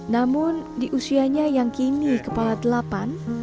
namun di usianya yang kini kepala delapan